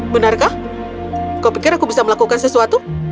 benarkah kau pikir aku bisa melakukan sesuatu